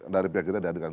dari pihak kita dihadirkan